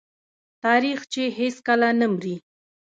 تاریخ چې هیڅکله نه مري.